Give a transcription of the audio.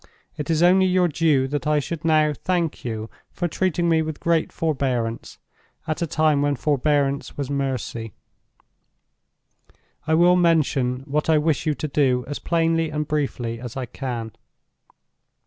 It is only your due that I should now thank you for treating me with great forbearance at a time when forbearance was mercy. "I will mention what I wish you to do as plainly and briefly as I can.